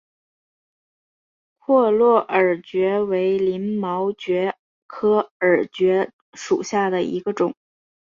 阔鳞耳蕨为鳞毛蕨科耳蕨属下的一个种。